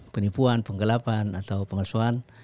penipuan penggelapan atau pengelsohan